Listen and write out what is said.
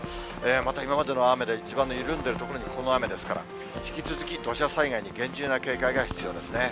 また今までの雨で地盤の緩んでいるところにこの雨ですから、引き続き土砂災害に厳重な警戒が必要ですね。